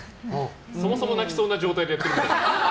そもそも泣きそうな状態でやってたんですか。